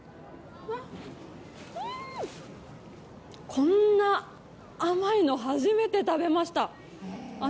こんな甘いの初めて食べました。